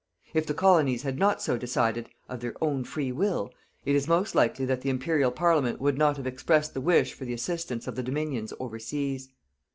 If the colonies had not so decided, of their own free will, it is most likely that the Imperial Parliament would not have expressed the wish for the assistance of the Dominions overseas.